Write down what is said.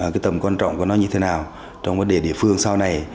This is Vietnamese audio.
cái tầm quan trọng của nó như thế nào trong vấn đề địa phương sau này